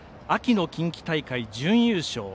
秋の近畿大会、準優勝。